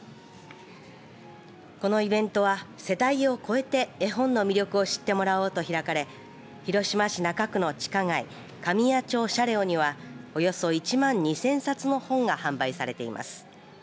このイベントは世代を超えて絵本の魅力を知ってもらおうと開かれ広島市中区の地下街紙屋町シャレオにはおよそ１万２０００冊の本が販売されています。